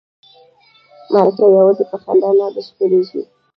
مرکه یوازې په خندا نه بشپړیږي.